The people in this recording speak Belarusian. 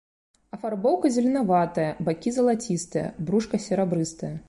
Афарбоўка зеленаватая, бакі залацістыя, брушка серабрыстае.